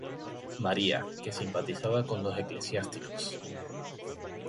María, que simpatizaba con los eclesiásticos.